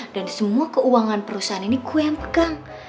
dan semua keuangan perusahaan ini gue yang pegang